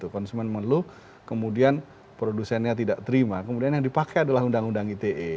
konsumen mengeluh kemudian produsennya tidak terima kemudian yang dipakai adalah undang undang ite